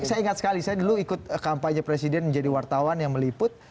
saya ingat sekali saya dulu ikut kampanye presiden menjadi wartawan yang meliput